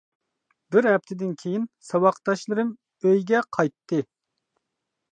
بىر ھەپتىدىن كىيىن ساۋاقداشلىرىم ئۆيگە قايتتى.